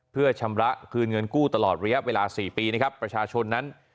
เพื่อชำระคืนเงินกู้ตลอดระยะเวลา๔ปีนะครับประชาชนนั้น